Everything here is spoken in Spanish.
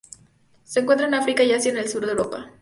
Se encuentran en África y Asia y el sur de Europa.